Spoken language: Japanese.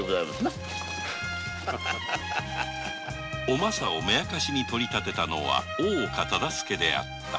おまさを目明しに取り立てたのは大岡忠相であった。